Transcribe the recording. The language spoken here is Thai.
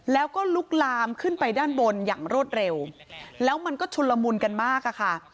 แล้วก็ลุกลามขึ้นไปด้านบนอย่างรวดเร็วแล้วมันก็ชุนละมุนกันมากอะค่ะ